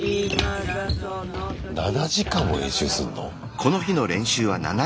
７時間も練習すんの？